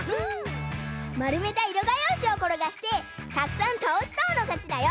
まるめたいろがようしをころがしてたくさんたおしたほうのかちだよ。